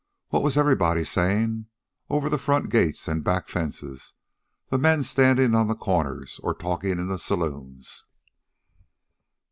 What was everybody saying? over front gates and back fences, the men standing on the corners or talking in saloons?